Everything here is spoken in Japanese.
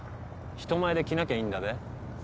人前で着なきゃいいんだべ。